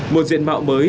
một diện mạo mới